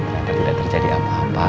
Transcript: nanti tidak terjadi apa apa